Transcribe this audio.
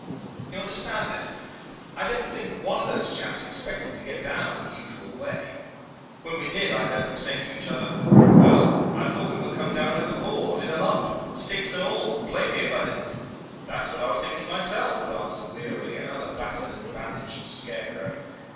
"You understand this? I don't think one of those chaps expected to get down in the usual way. When we did I heard them saying to each other, 'Well, I thought we would come down overboard, in a lump sticks and all blame me if I didn't.' 'That's what I was thinking to myself,' would answer wearily another battered and bandaged scarecrow.